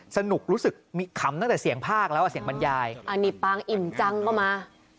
สนุกรู้สึกขำตั้งแต่เสียงภาคแล้วอ่ะเสียงบรรยายอันนี้ปางอิ่มจังก็มา